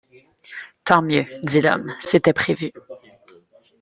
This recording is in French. Tant mieux! dit l’homme, c’était prévu.